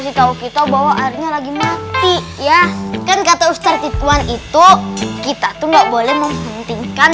dikau kita bahwa airnya lagi mati ya kan kata ustaz tidwan itu kita tuh nggak boleh mempentingkan